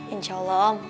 insya allah om